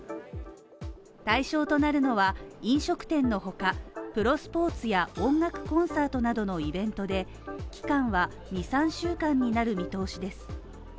対象となるのは、飲食店のほか、プロスポーツや音楽コンサートなどのイベントで期間は二、三週間になる見通しです。